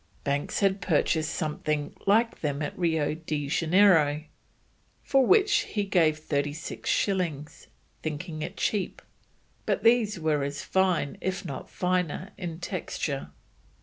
Banks had purchased something like them at Rio de Janeiro, for which he gave thirty six shillings, thinking it cheap, but these were as fine, if not finer, in texture.